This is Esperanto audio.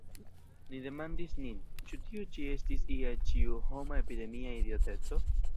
ni demandas nin; ĉu tio ĉi estis ia ĉiuhoma epidemia idioteco?